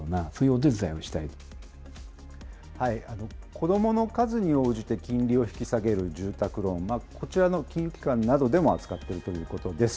子どもの数に応じて金利を引き下げる住宅ローン、こちらの金融機関などでも扱っているということです。